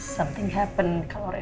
something happen kalau rena